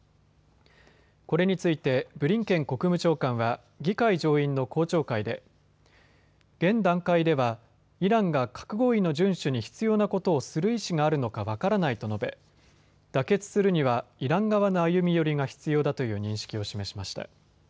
これについてブリンケン国務長官は議会上院の公聴会で現段階ではイランが核合意の順守に必要なことをする意思があるのか分からないと述べ、妥結するにはイラン側の歩み寄りが必要だという認識を示しました。